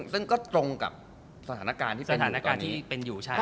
ซึ่งก็ตรงกับสถานการณ์ที่เป็นอยู่ตอนนี้